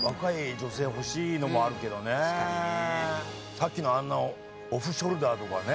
さっきのあんなオフショルダーとかね。